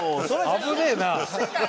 危ねえなあ。